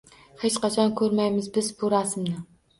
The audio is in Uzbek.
Hech qachon ko’rmaymiz biz bu rasmni –